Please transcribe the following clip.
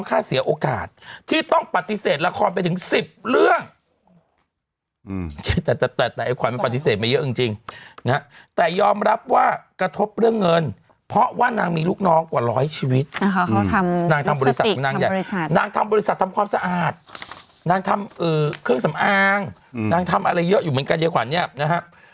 คือเครื่องสำอางนางทำอะไรเยอะอยู่เหมือนกันเยอะขวาเนี้ยนะฮะ